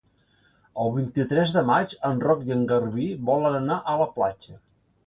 El vint-i-tres de maig en Roc i en Garbí volen anar a la platja.